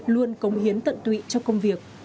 luôn cống hiến tận tụy cho công việc